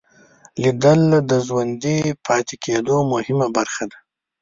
لیدل د ژوندي پاتې کېدو مهمه برخه ده